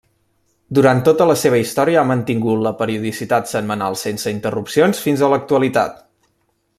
Durant tota la seva història ha mantingut la periodicitat setmanal sense interrupcions fins a l'actualitat.